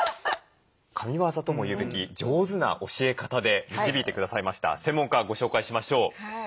神業とも言うべき上手な教え方で導いてくださいました専門家ご紹介しましょう。